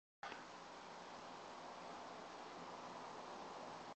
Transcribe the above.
Utica was located on the Yazoo and Mississippi Valley Railroad.